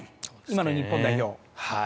今の日本代表。